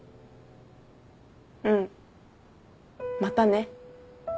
うん。またね。